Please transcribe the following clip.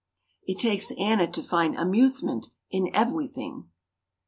It takes Anna to find "amuthement" in "evewything."